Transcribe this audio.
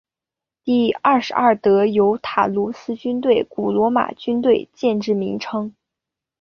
第二十二德尤塔卢斯军团古罗马军队建制名称。